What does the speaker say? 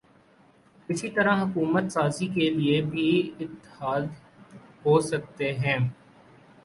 اسی طرح حکومت سازی کے لیے بھی اتحاد ہو سکتے ہیں۔